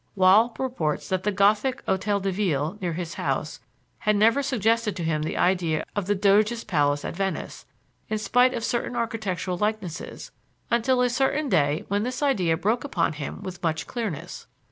Wahle reports that the Gothic Hôtel de Ville, near his house, had never suggested to him the idea of the Doges' Palace at Venice, in spite of certain architectural likenesses, until a certain day when this idea broke upon him with much clearness.